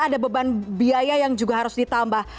ada beban biaya yang juga harus ditambah